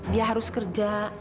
dia harus kerja